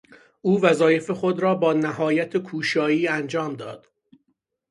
او وظایف خود را با نهایت کوشایی انجام داد.